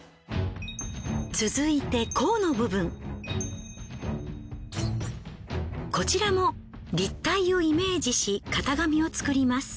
続いてこちらも立体をイメージし型紙を作ります。